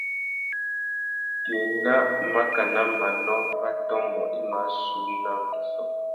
Kā ena màkánà manô mà tômbô i mà sú una angüissô.